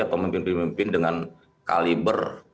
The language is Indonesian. pemimpin pemimpin dengan kaliber